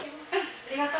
ありがとう。